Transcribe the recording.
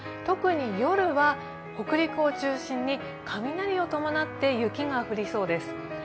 特に夜は北陸を中心に雷を伴って雪が降りそうです。